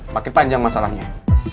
makin panjang masalahnya